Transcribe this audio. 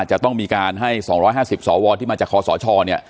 จะต้องมีการให้๒๕๐สอวรที่มาจากศชร